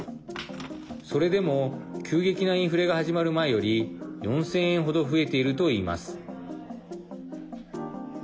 それでも、急激なインフレが始まる前より４０００円程増えているといいます。